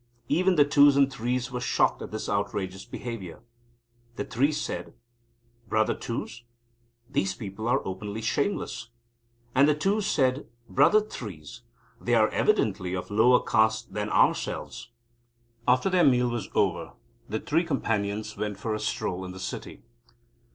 Even the Twos and Threes were shocked at this outrageous behaviour. The Threes said; "Brother Twos, these people are openly shameless!" And the Twos said: "Brother Threes, they are evidently of lower caste than ourselves!" After their meal was over, the Three Companions went for a stroll in the city.